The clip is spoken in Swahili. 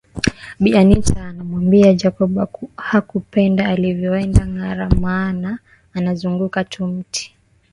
Bi Anita anamwambia Jacob hakupenda alivyoenda Ngara maana anauzunguka tu mti